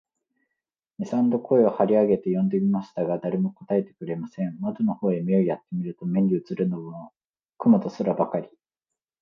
二三度声を張り上げて呼んでみましたが、誰も答えてくれません。窓の方へ目をやって見ると、目にうつるものは雲と空ばかり、